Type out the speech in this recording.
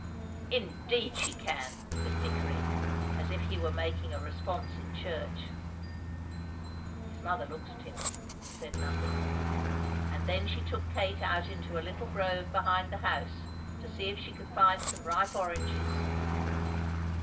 "Indeed she can!" said Dickory, as if he were making a response in church. His mother looked at him and said nothing. And then she took Kate out into a little grove behind the house to see if she could find some ripe oranges.